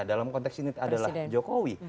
dalam konteks ini adalah jokowi